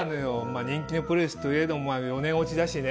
人気のプリウスといえども４年落ちだしね。